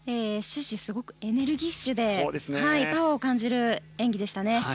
終始すごくエネルギッシュでパワーを感じる演技でしたね。